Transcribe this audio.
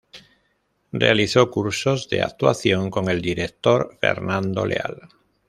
Realizó cursos de actuación con el director Fernando Leal.